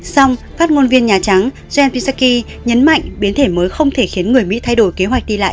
xong phát ngôn viên nhà trắng jen pisaki nhấn mạnh biến thể mới không thể khiến người mỹ thay đổi kế hoạch đi lại